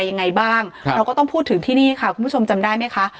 ยังไงบ้างครับเราก็ต้องพูดถึงที่นี่ค่ะคุณผู้ชมจำได้ไหมคะ